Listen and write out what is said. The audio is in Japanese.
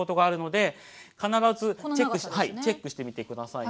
チェックしてみてくださいね。